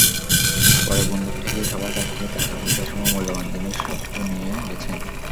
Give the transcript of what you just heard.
পরে বন্দুক ঠেকিয়ে সবার কাছ থেকে টাকাপয়সাসহ মূল্যবান সবকিছু নিয়ে গেছেন।